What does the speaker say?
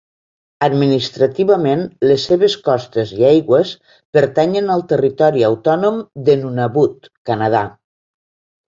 Administrativament les seves costes i aigües pertanyen al territori autònom de Nunavut, Canadà.